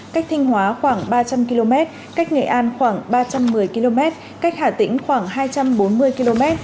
cách thanh hóa khoảng ba trăm linh km cách nghệ an khoảng ba trăm một mươi km cách hà tĩnh khoảng hai trăm bốn mươi km